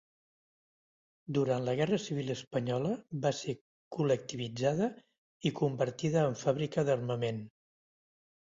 Durant la guerra civil espanyola va ser col·lectivitzada i convertida en fàbrica d'armament.